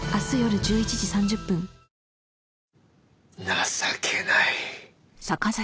情けない。